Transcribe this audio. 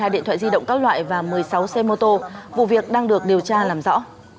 một mươi điện thoại di động các loại và một mươi sáu xe mô tô vụ việc đang được điều tra làm rõ